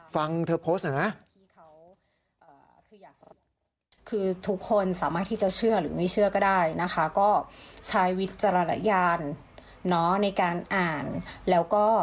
ฟังเธอโพสต์นะ